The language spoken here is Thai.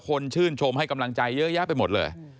ชื่นชมให้กำลังใจเยอะแยะไปหมดเลย